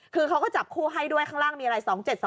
คือเขาก็จับคู่ให้ด้วยข้างล่างมีอะไร๒๗๒